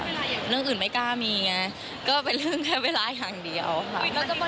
เรื่องอื่นไม่กล้ามีไงก็เป็นเรื่องแค่เวลาอย่างเดียวค่ะ